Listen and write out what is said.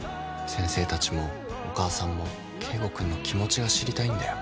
先生たちも、お母さんも圭吾君の気持ちが知りたいんだよ。